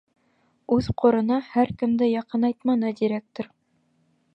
Үҙ ҡорона һәр кемде яҡынайтманы директор.